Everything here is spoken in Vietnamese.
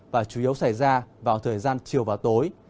và chủ yếu xảy ra vào thời gian chiều và tối